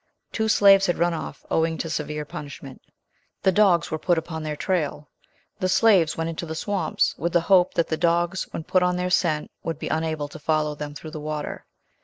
Two slaves had run off owing to severe punishment. The dogs were put upon their trail. The slaves went into the swamps, with the hope that the dogs when put on their scent would be unable to follow them through the water.